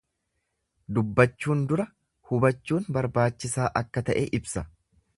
Dubbachuun dura hubachuun barbaachisaa akka ta'e ibsa.